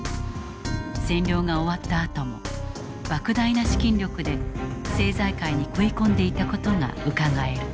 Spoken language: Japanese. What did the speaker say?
占領が終わったあともばく大な資金力で政財界に食い込んでいた事がうかがえる。